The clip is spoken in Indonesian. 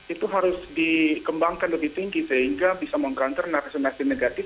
itu harus dikembangkan lebih tinggi sehingga bisa meng counter narasi narasi negatif